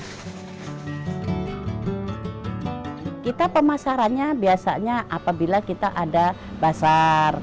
kita pemasarannya biasanya apabila kita berada di kota kita bisa menggunakan sampah plastik